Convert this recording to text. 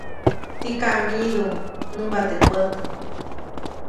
Tikam myidu, nämba teʼ pät.